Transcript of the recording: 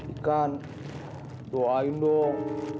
ikan doain dong